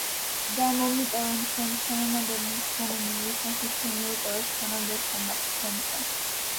და მომიტევენ ჩვენ თანანადებნი ჩვენნი, ვითარცა ჩვენ მივუტევებთ თანამდებთა მათ ჩვენთა